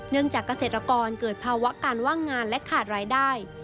จากเกษตรกรเกิดภาวะการว่างงานและขาดรายได้